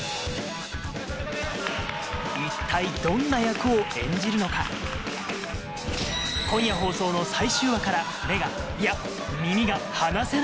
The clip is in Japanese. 一体どんな役を演じるのか今夜放送の最終話から目がいや耳が離せない